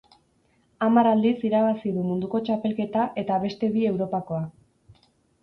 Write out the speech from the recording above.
Hamar aldiz irabazi du Munduko Txapelketa eta beste bi Europakoa.